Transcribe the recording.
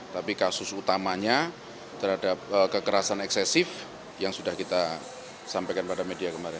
tapi kasus utamanya terhadap kekerasan eksesif yang sudah kita sampaikan pada media kemarin